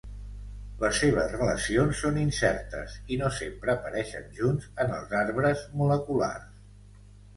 Les seves relacions són incertes, i no sempre apareixen junts en els arbres moleculars.